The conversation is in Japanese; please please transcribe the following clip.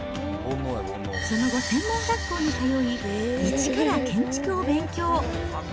その後、専門学校に通い、一から建築を勉強。